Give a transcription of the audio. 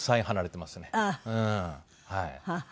はい。